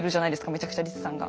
めちゃくちゃリツさんが。